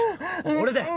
俺だよ！